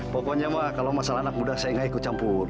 pokoknya mah kalau masalah anak muda saya gak ikut campur